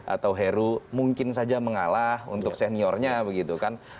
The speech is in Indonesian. atau heru mungkin saja mengalah untuk seniornya begitu kan